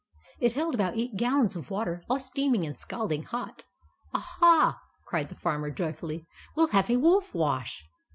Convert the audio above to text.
It held about eight gallons of water, all steaming and scalding hot. " Aha !" cried the Farmer, joyfully. "We'll have a wolf wash!"